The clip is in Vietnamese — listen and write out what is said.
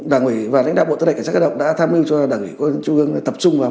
đảng ủy và lãnh đạo bộ tư lệ cảnh sát cơ động đã tham minh cho đảng ủy quân chung tập trung vào